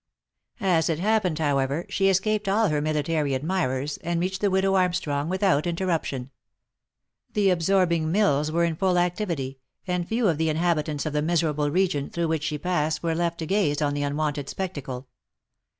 As it happened, however, she escaped all her military admirers, and reached the widow Armstrong without interruption; the absorbing mills were in full activity, and few of the inhabitants of the miserable region through which she passed were left to gaze on the unwonted spectacle.